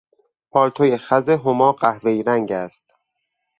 پالتوی خز هما قهوهای رنگ است.